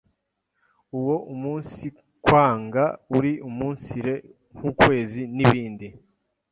uwo umunsikwanga uri umunsire nk’ukwezi, n’ibindi.